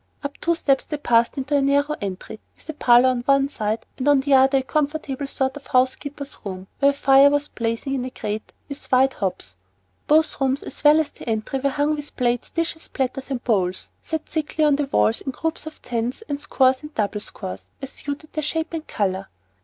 Up two little steps they passed into a narrow entry, with a parlor on one side and on the other a comfortable sort of housekeeper's room, where a fire was blazing in a grate with wide hobs. Both rooms as well as the entry were hung with plates, dishes, platters, and bowls, set thickly on the walls in groups of tens and scores and double scores, as suited their shape and color.